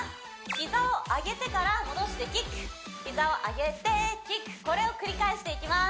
膝を上げてから戻してキック膝を上げてキックこれを繰り返していきます